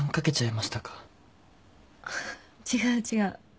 違う違う。